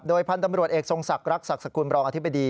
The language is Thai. พันธุ์ตำรวจเอกทรงศักดิ์ศักดิ์สกุลบรองอธิบดี